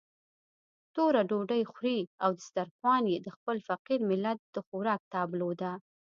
توره ډوډۍ خوري او دسترخوان يې د خپل فقير ملت د خوراک تابلو ده.